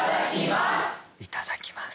いただきます！